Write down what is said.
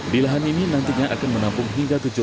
di lahan ini nantinya akan menampung hingga ke